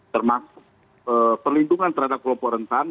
termasuk perlindungan terhadap kelompok rentan